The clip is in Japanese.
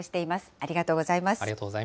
ありがとうございます。